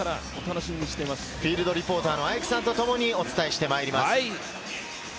フィールドリポーターのアイクさんとともにお伝えしていきます。